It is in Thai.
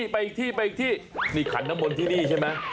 ไปที่นี่ขันน้ำมนต์ที่นี่ใช่ไหม